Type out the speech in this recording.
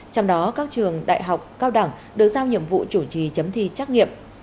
trường đại học cao đẳng được giao nhiệm vụ chủ trì chấm thi trắc nghiệp